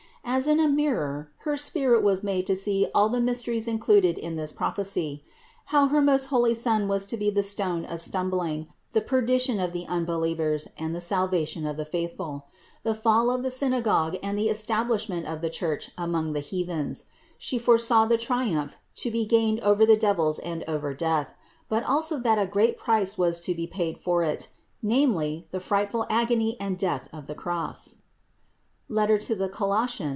As in a mirror her spirit was made to see all the mysteries included in this prophecy; how her most holy Son was to be the stone of stumbling, the perdition of the unbelievers, and the salvation of the faithful ; the fall of the synagogue and the establishment of the Church among the heathens; She foresaw the triumph to be gained over the devils and over death, but also that a great price was to be paid for it, namely the frightful agony and death of the Cross (Colos.